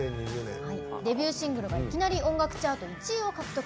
デビューシングルが、いきなり音楽チャート１位を獲得。